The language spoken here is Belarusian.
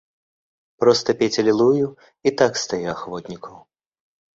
Проста пець алілую і так стае ахвотнікаў.